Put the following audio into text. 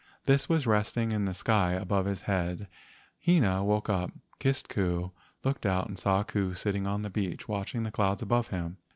This was resting in the sky above his head. Hina woke up, missed Ku, looked out and saw Ku sitting on the beach watching the clouds above him.